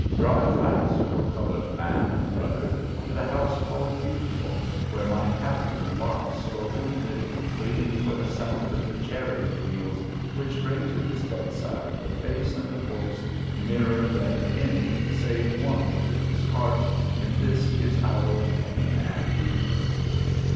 Drive fast, O colored man and brother, to the house called Beautiful, where my Captain lies sore wounded, waiting for the sound of the chariot wheels which bring to his bedside the face and the voice nearer than any save one to his heart in this his hour of pain and weakness!